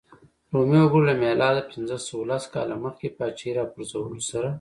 رومي وګړو له میلاد پنځه سوه لس کاله مخکې پاچاهۍ راپرځولو سره.